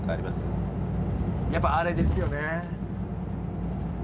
やっぱあれですよね。